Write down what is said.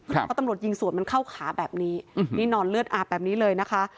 เพราะตำรวจยิงสวนมันเข้าขาแบบนี้นี่นอนเลือดอาบแบบนี้เลยนะคะ